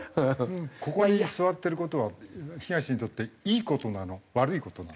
ここに座ってる事は東にとっていい事なの？